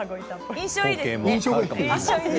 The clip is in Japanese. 印象がいいですね。